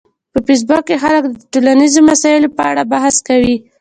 په فېسبوک کې خلک د ټولنیزو مسایلو په اړه بحث کوي